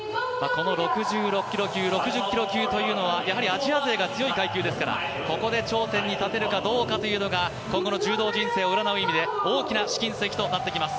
この６６キロ級、６０キロ級というのはアジア勢が強い階級ですからここで頂点に立てるかどうかというのが今後の柔道人生を占う意味で大きな試金石となってきます。